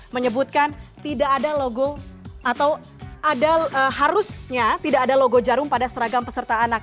menyebutkan tidak ada logo atau harusnya tidak ada logo jarum pada seragam peserta anak